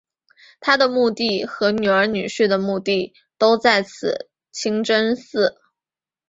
她的墓地和女儿女婿的墓地都在此清真寺。